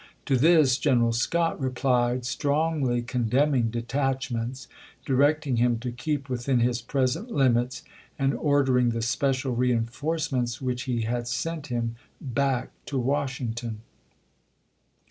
To this General Scott replied, strongly condemning detachments, direct son^'ji^e ing him to keep within his present limits, and w!r!^voi. ordering the special reenforcements which he had "'695'. sent him back to Washington.